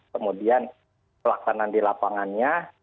kemudian pelaksanaan di lapangannya